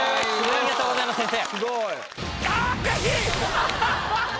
ありがとうございます先生。